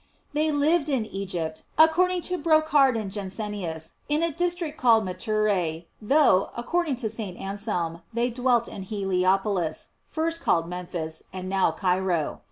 They lived in Egypt, according to Brocard and Jansenius, in a district called Matures, though, according to St. Anselm, they dwelt in Heliopolis, first called Memphis, and now Cairo.